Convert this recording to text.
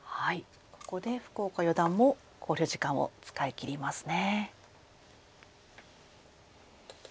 ここで福岡四段も考慮時間を使いきりますね。